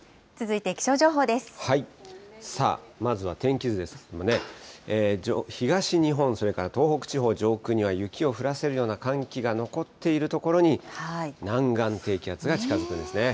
さあ、まずは天気図ですけどもね、東日本、それから東北地方上空には雪を降らせるような寒気が残っているところに、南岸低気圧が近づくんですね。